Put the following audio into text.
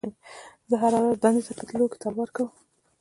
زه هره ورځ دندې ته په تللو کې تلوار کوم.